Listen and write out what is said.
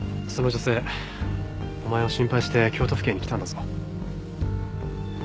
その女性お前を心配して京都府警に来たんだぞ。